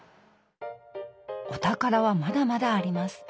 お宝はまだまだあります。